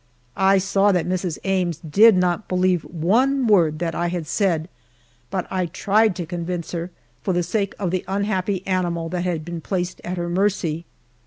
I saw that Mrs. Ames did not believe one word that I had said, but I tried to convince her, for the sake of the unhappy animal that had been placed at her mercy.